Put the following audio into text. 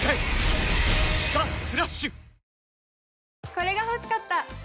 これが欲しかった！